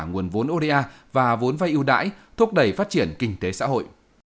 nguồn vốn oda và vốn vay ưu đãi thúc đẩy phát triển kinh tế xã hội